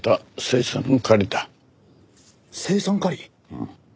うん。